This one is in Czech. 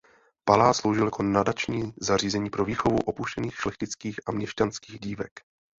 Palác sloužil jako nadační zařízení pro výchovu opuštěných šlechtických a měšťanských dívek.